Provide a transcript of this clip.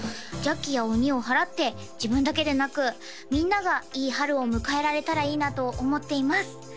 邪気や鬼をはらって自分だけでなくみんながいい春を迎えられたらいいなと思っています！